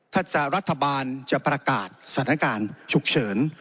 ถ้ารัฐบาลจะประกาศสถานการณ์ฉุกเฉิน